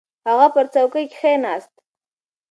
هغه پر څوکۍ کښېناست.